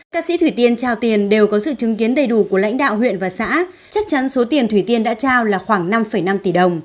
ca sĩ thủy tiên trao tiền đều có sự chứng kiến đầy đủ của lãnh đạo huyện và xã chắc chắn số tiền thủy tiên đã trao là khoảng năm năm tỷ đồng